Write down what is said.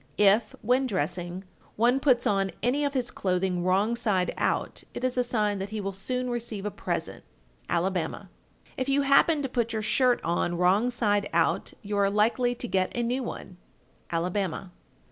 If, when dressing, one puts on any of his clothing wrong side out, it is a sign that he will soon receive a present. Alabama. 1383. If you happen to put your skirt on wrong side out, you are likely to get a new one. Alabama. 1384.